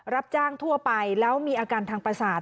รับจ้างทั่วไปแล้วมีอาการทางประสาท